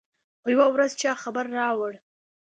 خو يوه ورځ چا خبر راوړ.